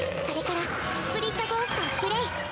それからスプリットゴーストをプレイ。